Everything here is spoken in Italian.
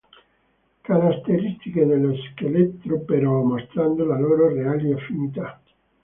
Caratteristiche dello scheletro, però, mostrano le loro reali affinità.